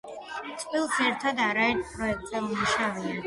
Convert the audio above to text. წყვილს ერთად არაერთ პროექტზე უმუშავიათ.